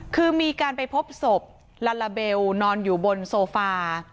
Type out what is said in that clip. คือมีการไปพบศพลาลาเบลนอนอยู่บนโซฟา